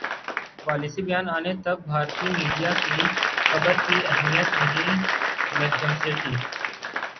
policy بیان انے تک بھارتی میڈیا کی خبر کی اہمیت نہیںنجم سیٹھی